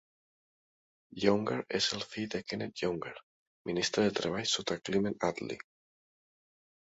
Younger és el fill de Kenneth Younger, ministre de Treball sota Clement Attlee.